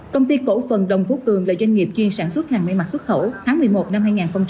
công ty cổ phần đồng phú cường là doanh nghiệp chuyên sản xuất hàng mây mặt xuất khẩu tháng một mươi một năm hai nghìn hai mươi một